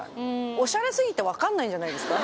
おしゃれ過ぎて分かんないんじゃないですか？